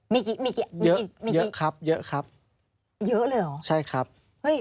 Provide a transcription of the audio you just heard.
มีกี่